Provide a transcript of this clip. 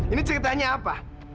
ini ceritanya apa